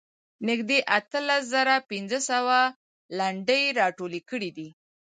نږدې اتلس زره پنځه سوه لنډۍ راټولې کړې دي.